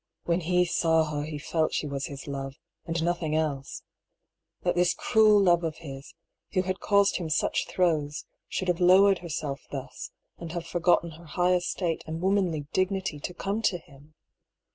when he saw her he felt she was his love, and nothing else — that this cruel love of his, who had caused him such throes, should have lowered herself thus, and have forgotten her high estate 228 I>B PAULL'S THEORY. and womanly dignity to come to him!